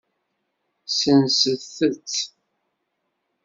Senset-t.